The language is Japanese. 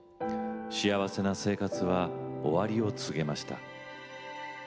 幸せな生活は終わりを告げました。